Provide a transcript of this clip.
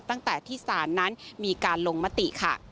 ตั้งแต่ที่ศาลนั้นมีการลงมติค่ะ